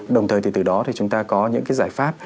đồng thời từ đó chúng ta có những giải pháp